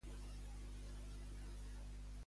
Espera quelcom d'Unides Podem?